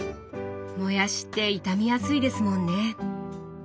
もやしって傷みやすいですもんね。